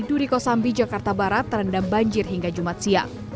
duri kosambi jakarta barat terendam banjir hingga jumat siang